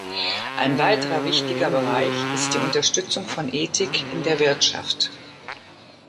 Ein weiterer wichtiger Bereich ist die Unterstützung von Ethik in der Wirtschaft.